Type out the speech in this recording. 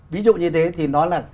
ví dụ như thế thì nó là